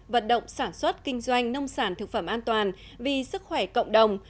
vận động sản xuất kinh doanh nông sản thực phẩm an toàn vì sức khỏe cộng đồng